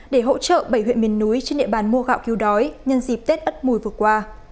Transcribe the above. để hỗ trợ bảy huyện miền núi trên địa bàn mua gạo cứu đói nhân dịp tết ất mùi vừa qua